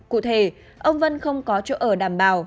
cụ thể ông vân không có chỗ ở đảm bảo